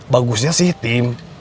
bagusnya sih tim